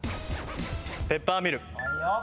ペッパーミル。